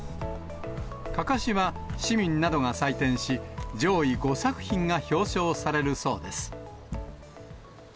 かかしは市民などが採点し、上位５作品が表彰されるそうです。